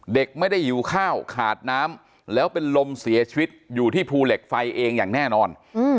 เด็กไม่ได้หิวข้าวขาดน้ำแล้วเป็นลมเสียชีวิตอยู่ที่ภูเหล็กไฟเองอย่างแน่นอน